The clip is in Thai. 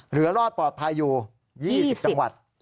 รอดปลอดภัยอยู่๒๐จังหวัด